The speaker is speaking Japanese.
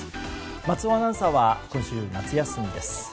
松尾アナウンサーは今週、夏休みです。